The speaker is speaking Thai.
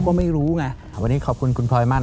ขอบคุณนะขอบคุณมาก